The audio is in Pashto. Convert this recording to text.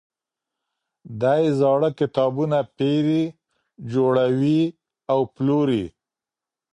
دی زاړه کتابونه پيري، جوړوي او پلوري.